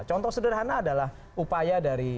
contoh sederhana adalah upaya dari